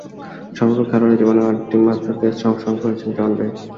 সমগ্র খেলোয়াড়ী জীবনে আটটিমাত্র টেস্টে অংশগ্রহণ করেছেন জন বেক।